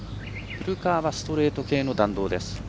古川はストレート系の弾道です。